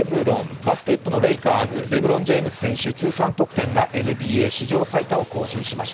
バスケットのレイカーズ、レブロン・ジェームズ選手、通算得点がＮＢＡ通算得点最多になりました。